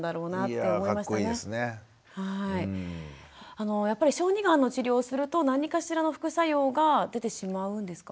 あのやっぱり小児がんの治療をすると何かしらの副作用が出てしまうんですか。